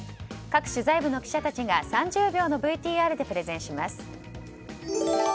各取材部の記者たちが３０秒のＶＴＲでプレゼンします。